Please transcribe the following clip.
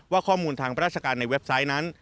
ข้อมูลทางราชการในเว็บไซต์นั้น